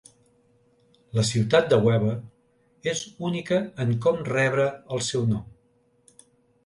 La ciutat de Weber és única en com va rebre el seu nom.